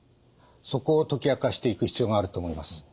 そこを解き明かしていく必要があると思います。